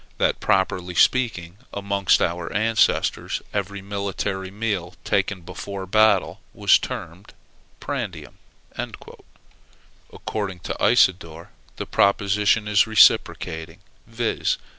"that, properly speaking, amongst our ancestors every military meal taken before battle was termed prandium." According to Isidore, the proposition is reciprocating, viz.